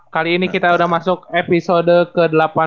kali ini kita udah masuk episode ke delapan puluh tiga